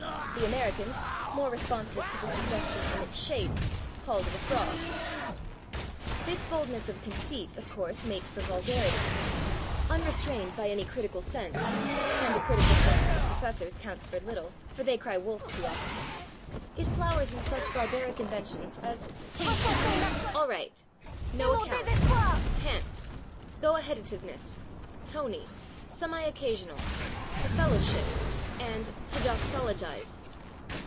The Americans, more responsive to the suggestion in its shape, called it a /frog/. This boldness of conceit, of course, makes for vulgarity. Unrestrained by any critical sense and the critical sense of the professors counts for little, for they cry wolf too often it flowers in such barbaric inventions as /tasty/, /alright/, /no account/, /pants/, /go aheadativeness/, /tony/, /semi occasional/, /to fellowship/ and /to doxologize